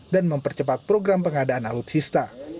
dan mempercepat program pengadaan alutsista